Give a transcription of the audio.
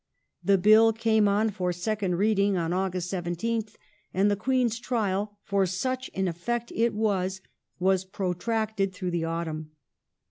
The Bill came on for second Reading on August 17th, and the Queen's trial (for such in effect it was) was proti*acted thi'ough the autumn.